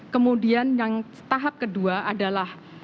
kemudian yang tahap kedua adalah